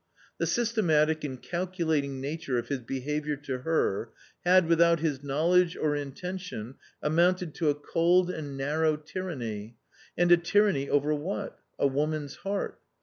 The systematic and calculating nature of his behaviour to her had, without his knowledge or intention, amounted to a cold and narrow tyranny, and a tyranny over what? a woman's heart.